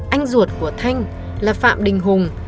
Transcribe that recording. anh ruột của thanh là phạm đình hùng